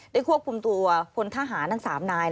ควบคุมตัวพลทหารทั้ง๓นาย